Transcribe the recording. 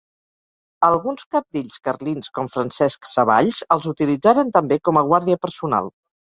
Alguns cabdills carlins com Francesc Savalls els utilitzaren també com a guàrdia personal.